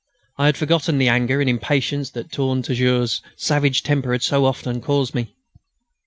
I had forgotten the anger and impatience that "Tourne Toujours'" savage temper had so often caused me.